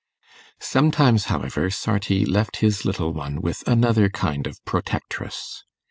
Sometimes, however, Sarti left his little one with another kind of protectress.